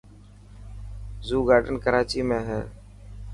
زو گارڊن ڪراچي ۾ هي.